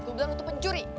gue bilang lo tuh pencuri